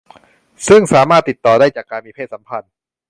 ซึ่งสามารถติดต่อได้จากการมีเพศสัมพันธ์